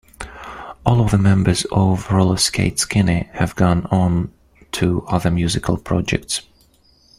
All of the members of Rollerskate Skinny have gone on to other musical projects.